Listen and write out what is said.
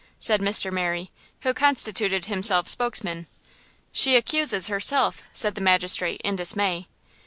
said Mr. Merry, who constituted himself spokesman. "She accuses herself," said the magistrate, in dismay.